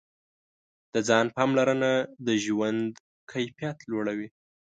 د ځان پاملرنه د ژوند کیفیت لوړوي.